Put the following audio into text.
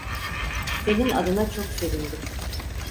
Senin adına çok sevindim.